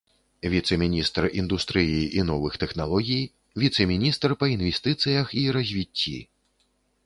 Віцэ-міністр індустрыі і новых тэхналогій, віцэ-міністр па інвестыцыях і развіцці.